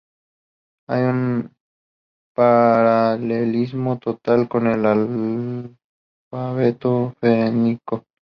Hay un paralelismo total con el alfabeto fenicio.